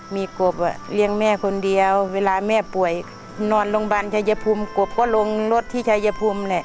มีกบเลี้ยงแม่คนเดียวเวลาแม่ป่วยนอนโรงพยาบาลชายภูมิกบก็ลงรถที่ชายภูมิแหละ